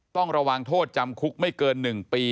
ต้องระวังโทษจำคุกไม่เกิน๑ปี